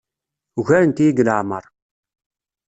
Ugarent-iyi deg leɛmeṛ.